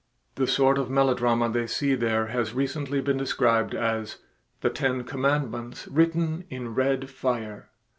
The sort of melodrama they see there has recently been described as "the ten commandments written in red fire."